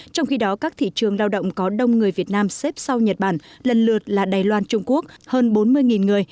trong khi đó các thị trường lao động có đông người việt nam xếp sau nhật bản lần lượt là đài loan trung quốc hơn bốn mươi người